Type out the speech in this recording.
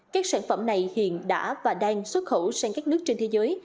các sản phẩm này hiện đã và đang xuất khẩu sang các nước trên thế giới